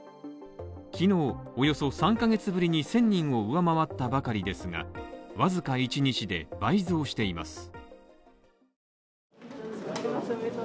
昨日、およそ３ヶ月ぶりに１０００人を上回ったばかりですが、わずか１日で倍増しています。